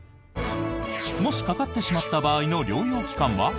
もし、かかってしまった場合の療養期間は？